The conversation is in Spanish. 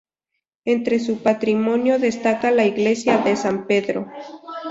Entre su patrimonio destaca la iglesia de San Pedro.